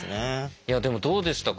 いやでもどうでしたか？